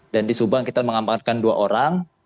dan di subang kita mengambankan dua orang